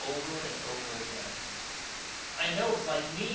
over and over again. 'I know it's like me!